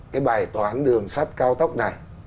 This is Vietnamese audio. cái bài toán đường sắt cao tốc này